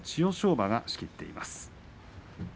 馬が仕切っています。